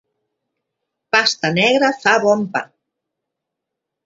Pasta negra fa bon pa.